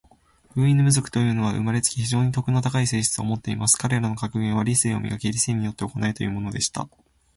フウイヌム族というのは、生れつき、非常に徳の高い性質を持っています。彼等の格言は、『理性を磨け。理性によって行え。』というのでした。